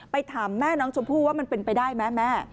ถามแม่น้องชมพู่ว่ามันเป็นไปได้ไหมแม่